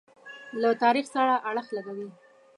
له تاریخ سره اړخ لګوي.